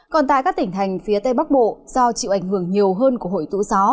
còn tại các tỉnh thành phía tây bắc bộ do chịu ảnh hưởng nhiều hơn của hội tụ gió